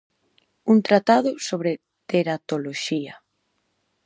Un tratado sobre teratoloxía.